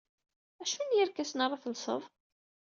D acu n yerkasen ara telsed?